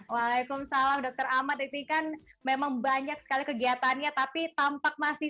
waalaikumsalam dokter ahmad ini kan memang banyak sekali kegiatannya tapi tampak masih